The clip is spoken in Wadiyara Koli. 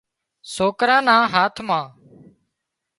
سوڪران نا هاٿ مان